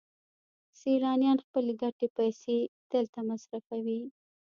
سیلانیان خپلې ګټلې پیسې دلته مصرفوي